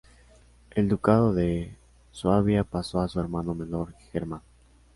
El ducado de Suabia pasó a su hermano menor, Germán.